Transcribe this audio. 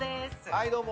はい、どうも。